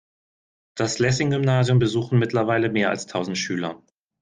Das Lessing-Gymnasium besuchen mittlerweile mehr als tausend Schüler.